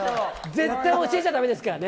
絶対教えちゃだめですからね。